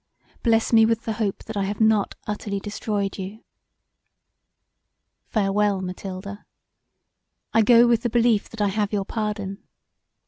bless me with the hope that I have not utterly destroyed you. "Farewell, Mathilda. I go with the belief that I have your pardon.